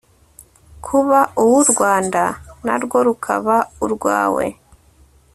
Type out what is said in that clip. kuba uw'u rwanda narwo rukaba urwawe